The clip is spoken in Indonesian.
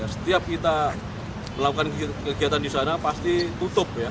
setiap kita melakukan kegiatan di sana pasti tutup ya